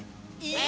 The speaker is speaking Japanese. え？